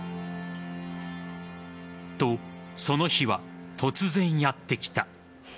と、その日は突然やってきた。